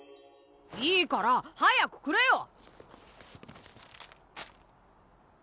いいから早くくれよ！